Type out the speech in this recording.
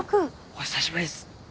お久しぶりっす。